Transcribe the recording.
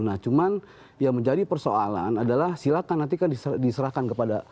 nah cuman yang menjadi persoalan adalah silakan nanti kan diserahkan kepada